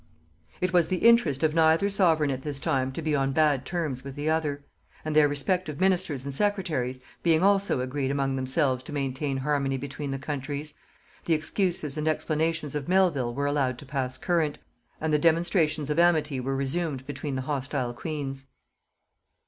It was the interest of neither sovereign at this time to be on bad terms with the other; and their respective ministers and secretaries being also agreed among themselves to maintain harmony between the countries, the excuses and explanations of Melvil were allowed to pass current, and the demonstrations of amity were resumed between the hostile queens.